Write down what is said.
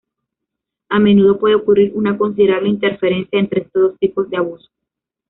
A menudo puede ocurrir una considerable interferencia entre estos dos tipos de abuso.